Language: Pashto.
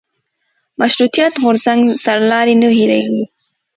مشروطیت غورځنګ سرلاري نه هېرېږي.